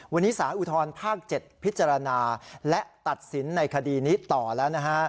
วันนี้สารอุทธรภาค๗พิจารณาและตัดสินในคดีนี้ต่อแล้วนะฮะ